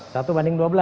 satu banding dua belas